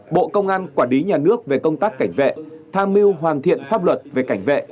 bộ công an quả đí nhà nước về công tác cảnh vệ tham miu hoàn thiện pháp luật về cảnh vệ